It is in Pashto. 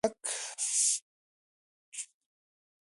🐁 موږک